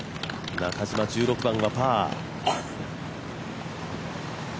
中島、１６番はパー。